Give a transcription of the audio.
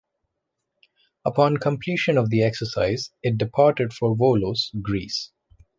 Upon completion of the exercise, it departed for Volos, Greece.